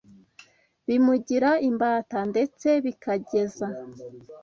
bimugira imbata ndetse bikazageza